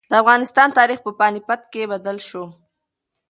د افغانستان تاریخ په پاني پت کې بدل شو.